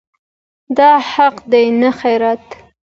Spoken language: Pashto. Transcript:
دا حق دی نه خیرات.